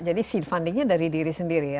jadi seed fundingnya dari diri sendiri ya